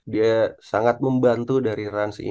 dia sangat membantu dari ran